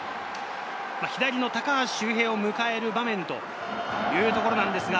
左の高橋周平を迎える場面というところなんですが。